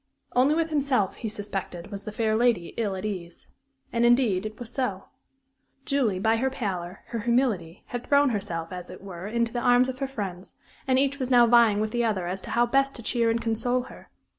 Only with himself, he suspected, was the fair lady ill at ease. And, indeed, it was so. Julie, by her pallor, her humility, had thrown herself, as it were, into the arms of her friends, and each was now vying with the other as to how best to cheer and console her.